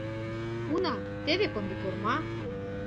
Уна, теве комбикорма!